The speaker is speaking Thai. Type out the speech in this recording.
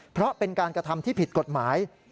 เพราะเป็นการกระทำที่ผิดกฎหมาย